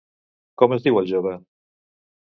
Com es diu el jove?